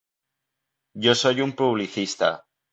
Yo soy un publicista.